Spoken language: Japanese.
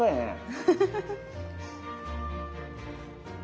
フフフフフ。